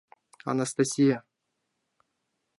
Анастасия!